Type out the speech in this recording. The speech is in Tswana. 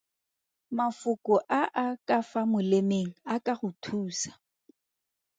Mafoko a a ka fa molemeng a ka go thusa.